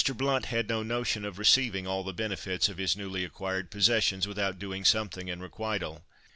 Blount had no notion of receiving all the benefits of his newly acquired possessions without doing something in requital.